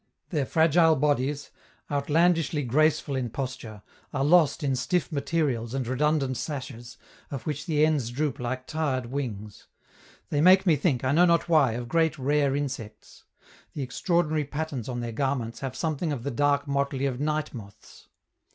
Their fragile bodies, outlandishly graceful in posture, are lost in stiff materials and redundant sashes, of which the ends droop like tired wings. They make me think, I know not why, of great rare insects; the extraordinary patterns on their garments have something of the dark motley of night moths.